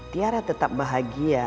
tiara tetap bahagia